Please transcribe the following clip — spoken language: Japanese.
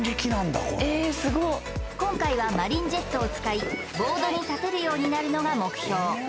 今回はマリンジェットを使いボードに立てるようになるのが目標